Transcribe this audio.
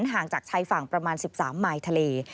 ห่างจากชายฝั่งประมาณ๑๓มายทะเล